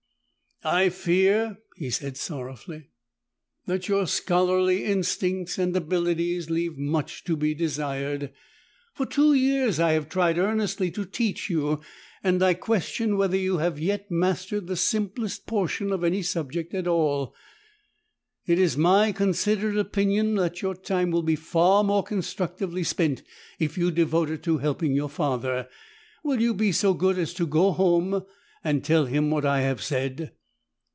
"I fear," he said sorrowfully, "that your scholarly instincts and abilities leave much to be desired. For two years I have tried earnestly to teach you, and I question whether you have yet mastered the simplest portion of any subject at all. It is my considered opinion that your time will be far more constructively spent if you devote it to helping your father. Will you be so good as to go home and tell him what I have said?"